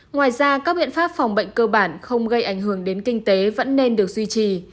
ngoài ra các biện pháp phòng bệnh cơ bản không gây ảnh hưởng đến kinh tế vẫn nên được duy trì